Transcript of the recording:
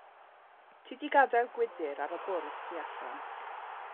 Ti 'di gadael gwydr ar y bwrdd tu allan.